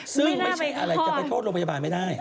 ซึ่งไม่ใช่อะไรจะไปโทษโรงพยาบาลไม่ได้